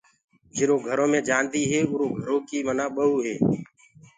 جيرو گھرو مي جآندي هي اُرو گھرو ڪي مآنآ ٻئوٚ هي۔